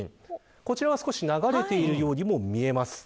こちらは少し流れているようにも見えます。